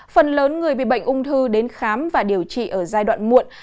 phần lớn người bị bệnh ung thư đến khám và điều trị ở giai đoạn muộn